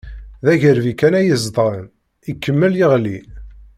D agerbi kan ay zedɣen, ikemmel yeɣli.